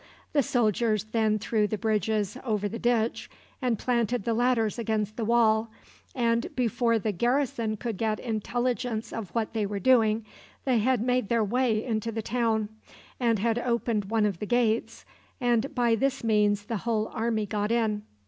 The soldiers then threw the bridges over the ditch, and planted the ladders against the wall, and before the garrison could get intelligence of what they were doing they had made their way into the town, and had opened one of the gates, and by this means the whole army got in.